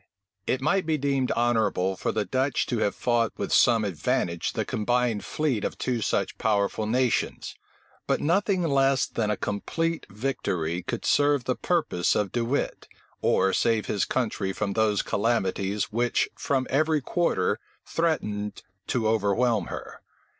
It might be deemed honorable for the Dutch to have fought with some advantage the combined fleets of two such powerful nations; but nothing less than a complete victory could serve the purpose of De Wit, or save his country from those calamities which from every quarter threatened to overwhelm her.